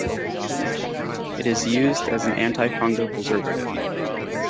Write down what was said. It is used as an antifungal preservative.